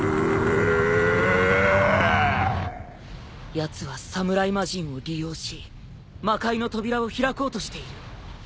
やつは侍魔人を利用し魔界の扉を開こうとしている。